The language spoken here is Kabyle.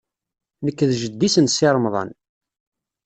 Nekk d jeddi-s n Si Remḍan.